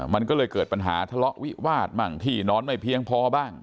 มันก็เลยเกิดปัญหาทะเลาะวิวาสบ้างที่นอนไม่เพียงพอบ้าง